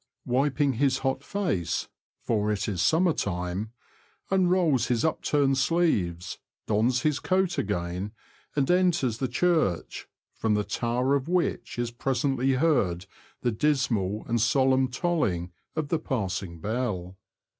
wiping his hot face (for it is summer time), unrolls his upturned sleeves, dons his coat again, and enters the church, from the tower of which is presently heard the dismal and solemn tolhng of the passing bell.